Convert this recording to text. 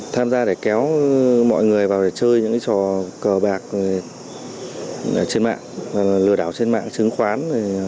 tham gia để kéo mọi người vào để chơi những trò cờ bạc trên mạng và lừa đảo trên mạng chứng khoán